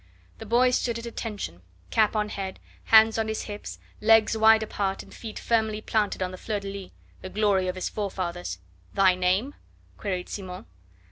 The boy stood at attention, cap on head, hands on his hips, legs wide apart, and feet firmly planted on the fleur de lys, the glory of his forefathers. "Thy name?" queried Simon.